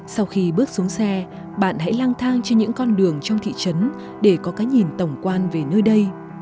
sau khi bước xuống xe bạn hãy lang thang trên những con đường trong thị trấn để có cái nhìn tổng quan về nơi đây